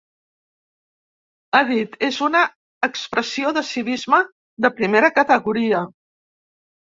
Ha dit: És una expressió de civisme de primera categoria.